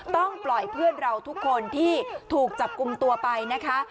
ต้องปล่อยเพื่อนเราทุกคนที่ถูกจับกลุ่มตัวไปนะคะ